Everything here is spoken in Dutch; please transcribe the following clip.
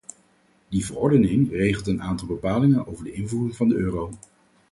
Die verordening regelt een aantal bepalingen over de invoering van de euro.